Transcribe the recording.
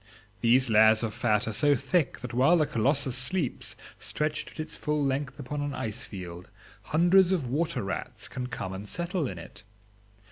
These layers of fat are so thick that while the colossus sleeps, stretched at its full length upon an icefield, hundreds of water rats can come and settle in it.